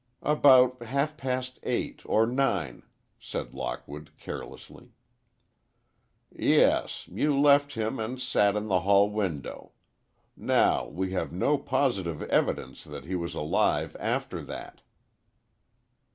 "About half past eight or nine," said Lockwood, carelessly. "Yes; you left him and sat in the hall window. Now, we have no positive evidence that he was alive after that."